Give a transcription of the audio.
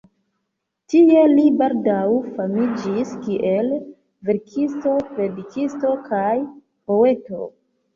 Tie li baldaŭ famiĝis kiel verkisto, predikisto kaj poeto.